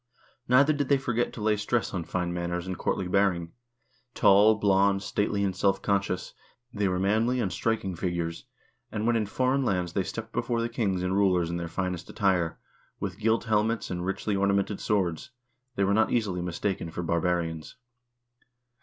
Neither did they forget to lay stress on fine manners and courtly bearing. Tall, blond, stately, and self conscious, they were manly and striking figures, and when in foreign lands they stepped before the kings and rulers in their finest attire, with gilt helmets and richly ornamented swords, they were not easily mistaken for barbarians.